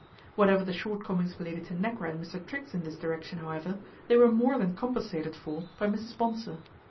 Whatever the shortcomings of Lady Tanagra and Mr. Triggs in this direction, however, they were more than compensated for by Mrs. Bonsor.